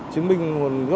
chứng minh nguồn nguyên liệu